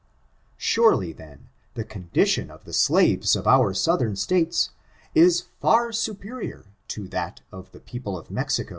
Surely then, the condition of the slaves of our Southern States, is far superior to that of the people of Mexico.